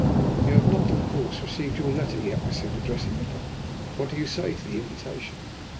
"You have not of course received your letter yet," I said, addressing the Don. "What do you say to the invitation?"